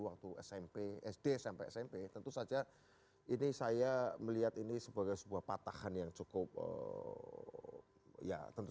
waktu smp sd sampai smp tentu saja ini saya melihat ini sebagai sebuah patahan yang cukup ya tentu